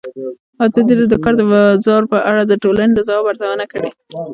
ازادي راډیو د د کار بازار په اړه د ټولنې د ځواب ارزونه کړې.